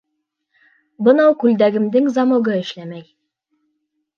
Бынау күлдәгемдең замогы эшләмәй.